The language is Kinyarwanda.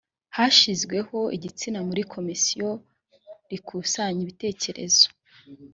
hashyizweho itsinda muri komisiyo rikusanya ibitekerezo.